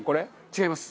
違います。